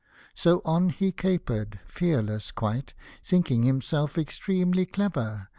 So, on he capered, fearless quite. Thinking himself extremely clever.